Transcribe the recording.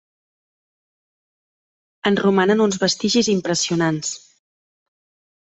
En romanen uns vestigis impressionants.